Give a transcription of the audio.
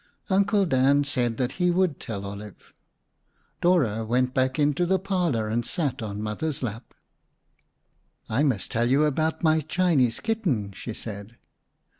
Uncle Dan said that he would tell Olive. Dora went back into the parlor and sat on Mother's lap. "I must tell you about my Chinese kitten," she said.